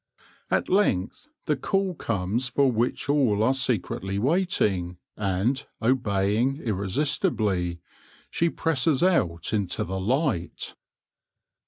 At length the call comes for which all are secretly waiting, and, obeying irresistibly, she presses out into the light.